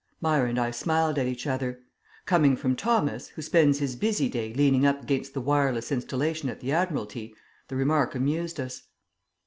Myra and I smiled at each other. Coming from Thomas, who spends his busy day leaning up against the wireless installation at the Admiralty, the remark amused us.